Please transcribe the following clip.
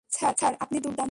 Sir, আপনি দুর্দান্ত!